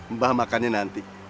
mbah makannya nanti